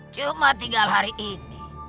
cuma tinggal hari ini